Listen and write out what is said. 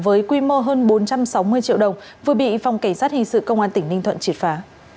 với quy mô hơn bốn trăm sáu mươi triệu đồng vừa bị phòng cảnh sát hình sự công an tỉnh ninh thuận triệt phá